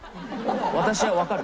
「私はわかる。